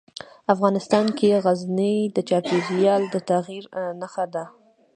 افغانستان کې غزني د چاپېریال د تغیر نښه ده.